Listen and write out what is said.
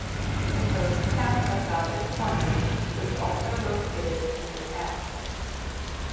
The ghost town of Dodges Corners was also located in the town.